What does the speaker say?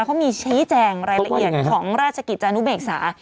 เขามีชี้แจงรายละเอียดของราชกิจจานุเบกษา